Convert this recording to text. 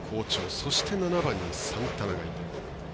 そして、７番にサンタナがいて。